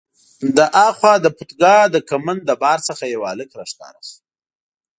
له ها خوا د پودګا د کمند له بار څخه یو هلک راښکاره شو.